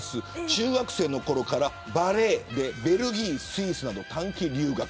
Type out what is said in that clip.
中学生のころからバレエでベルギー、スイスに短期留学。